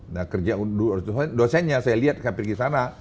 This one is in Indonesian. nah kerja dosennya saya lihat hampir di sana